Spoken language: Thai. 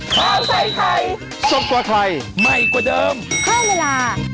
ข้าวใส่ไข่สบกว่าไข่ใหม่กว่าเดิมข้าวเวลา